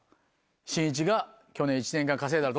しんいちが去年１年間稼いだのか。